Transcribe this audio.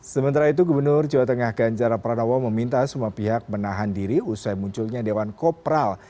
sementara itu gubernur jawa tengah ganjar pranowo meminta semua pihak menahan diri usai munculnya dewan kopral